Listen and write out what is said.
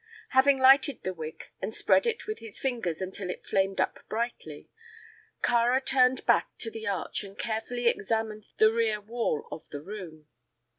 Having lighted the wick and spread it with his fingers until it flamed up brightly, Kāra turned his back to the arch and carefully examined the rear wall of the room.